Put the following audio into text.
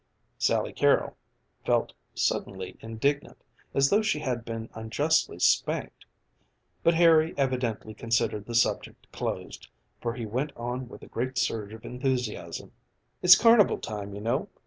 Sally Carrol felt suddenly indignant as though she had been unjustly spanked but Harry evidently considered the subject closed, for he went on with a great surge of enthusiasm. "It's carnival time, you know.